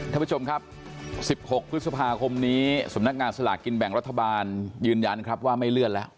ท่านผู้ชมครับ๑๖พฤษภาคมนี้สำนักงานสลากกินแบ่งรัฐบาลยืนยันครับว่าไม่เลื่อนแล้ว